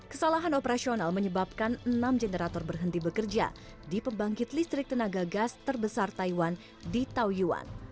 kesalahan operasional menyebabkan enam generator berhenti bekerja di pembangkit listrik tenaga gas terbesar taiwan di taoyuan